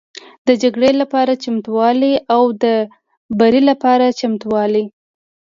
د جګړې لپاره چمتووالی او د بري لپاره چمتووالی